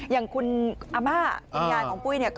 อย่างคุณอาม่ายิงงานของปุ้ย